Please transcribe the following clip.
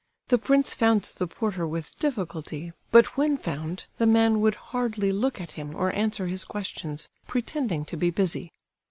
The prince found the porter with difficulty, but when found, the man would hardly look at him or answer his questions, pretending to be busy.